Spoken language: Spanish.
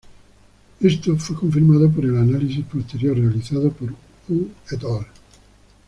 Esto fue confirmado por el análisis posterior realizado por Hu "et al.